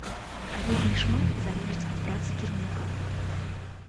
А вельмі шмат залежыць ад працы кіраўніка.